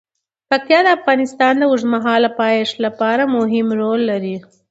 پکتیا د افغانستان د اوږدمهاله پایښت لپاره مهم رول لري.